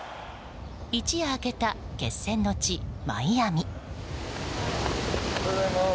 一夜明けた決戦の地マイアミ。